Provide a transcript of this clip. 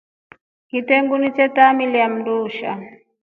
Kitengu ni che tamilia undusha.